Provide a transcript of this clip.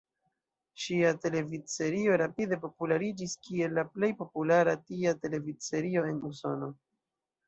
Ŝia televidserio rapide populariĝis kiel la plej populara tia televidserio en Usono.